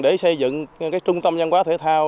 để xây dựng trung tâm văn hóa thể thao